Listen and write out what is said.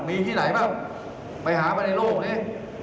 มีที่ไหนบ้างไปหามาในโลกนี้